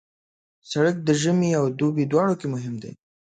سړک د ژمي او دوبي دواړو کې مهم دی.